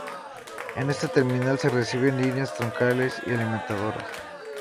En esta terminal se reciben líneas troncales y alimentadoras.